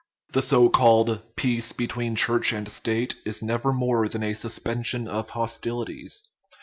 The so called " Peace be tween Church and State " is never more than a suspen sion of hostilities.